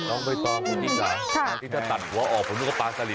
ต้องไปต่อคุณพี่จ๋าถ้าตัดหัวออกผมก็ปลาสลิด